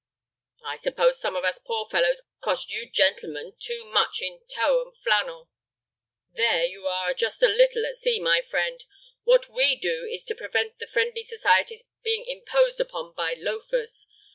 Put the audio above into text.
"I suppose some of us poor fellows cost you gentlemen too much in tow and flannel." "There you are just a little at sea, my friend. What we do is to prevent the Friendly Societies being imposed upon by loafers.